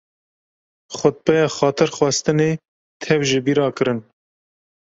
Xutbeya Xatirxwestinê tev ji bîra kirin.